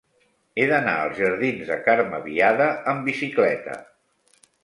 He d'anar als jardins de Carme Biada amb bicicleta.